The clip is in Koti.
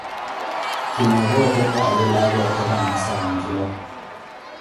Kinoova otepa olwelaka otepa mwaasa wa ncuwa.